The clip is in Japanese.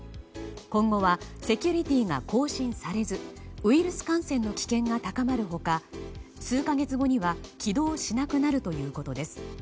今後はセキュリティーが更新されずウイルス感染の危険が高まる他、数か月後には起動しなくなるということです。